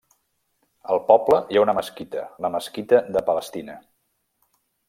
Al poble hi ha una mesquita, la mesquita de Palestina.